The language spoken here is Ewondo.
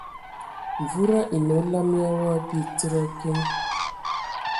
Wuda anə olam ya wa bi tsid a kiŋ.